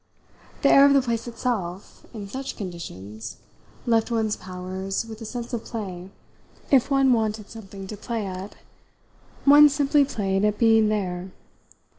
The air of the place itself, in such conditions, left one's powers with a sense of play; if one wanted something to play at one simply played at being there.